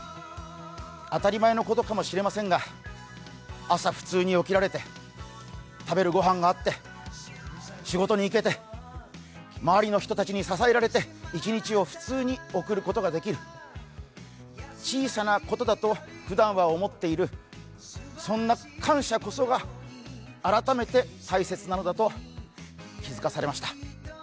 当たり前のことかもしれませんが、朝普通に起きられて食べる御飯があって、仕事に行けて周りの人たちに支えられて一日を普通に送ることができる、小さなことだと普段は思っているそんな感謝こそが改めて大切なのだと気づかされました。